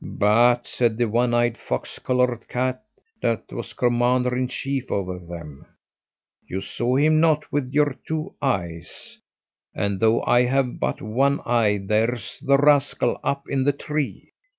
'But,' said the one eyed fox coloured cat that was commander in chief over them, 'you saw him not with your two eyes, and though I have but one eye, there's the rascal up in the tree.'